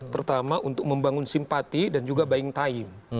pertama untuk membangun simpati dan juga buying time